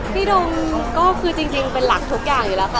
โดมก็คือจริงเป็นหลักทุกอย่างอยู่แล้วค่ะ